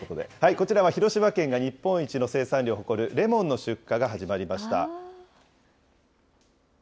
こちらは広島県が日本一の生産量を誇るレモンの出荷が始まりました。